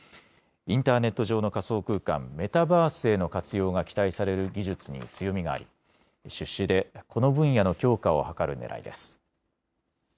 インターネット上の仮想空間、メタバースへの活用が期待される技術に強みがあり出資でこの分野の強化を図るねらいです。